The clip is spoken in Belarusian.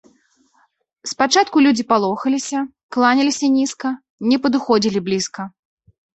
Спачатку людзі палохаліся, кланяліся нізка, не падыходзілі блізка.